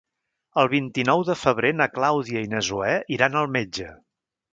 El vint-i-nou de febrer na Clàudia i na Zoè iran al metge.